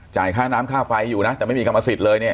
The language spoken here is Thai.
ค่าน้ำค่าไฟอยู่นะแต่ไม่มีกรรมสิทธิ์เลยเนี่ย